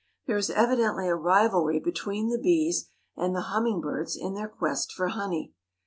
There is evidently a rivalry between the bees and the hummingbirds in their quest for honey.